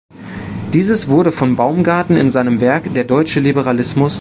Dieses wurde von Baumgarten in seinem Werk "Der deutsche Liberalismus.